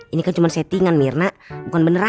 ini kan cuma settingan mirna bukan beneran